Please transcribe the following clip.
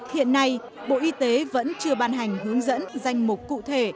hiện nay bộ y tế vẫn chưa ban hành hướng dẫn danh mục cụ thể